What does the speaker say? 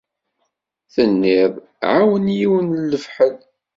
Tenniḍ: "Ɛawneɣ yiwen n lefḥel."